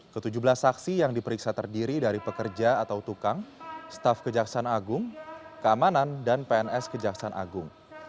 ke tujuh belas saksi yang diperiksa terdiri dari pekerja atau tukang staf kejaksaan agung keamanan dan pns kejaksaan agung